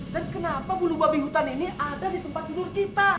dan kenapa bulu babi hutan ini ada di tempat tidur kita